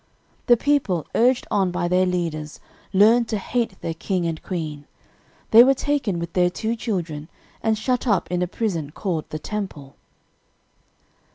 "The people, urged on by their leaders, learned to hate their king and queen. They were taken, with their two children, and shut up in a prison called the Temple.